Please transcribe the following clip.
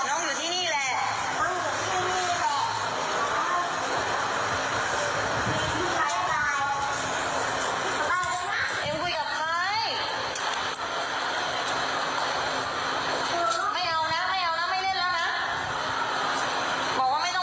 บอกว่าน้องไม่ต้องไปน้องอยู่ที่นี่แหละน้องอยู่ที่นี่แหละ